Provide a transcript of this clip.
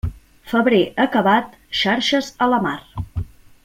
Febrer acabat, xarxes a la mar.